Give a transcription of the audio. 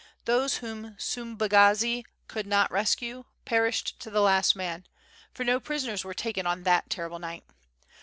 Those whom Subagazi could not rescue perished to the last man, for no prisoners were taken on that terrible night.